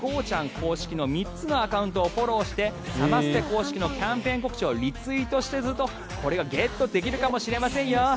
公式の３つのアカウントをフォローしてサマステ公式のキャンペーン告知をリツイートするとこれがゲットできるかもしれませんよ。